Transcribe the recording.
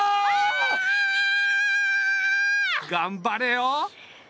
がんばれよ。